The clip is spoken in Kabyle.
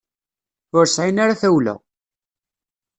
Ur sɛin ara tawla.